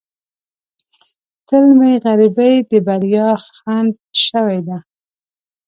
تل مې غریبۍ د بریا خنډ شوې ده.